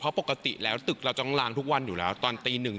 เพราะปกติแล้วตึกเราต้องลางทุกวันอยู่แล้วตอนตีหนึ่ง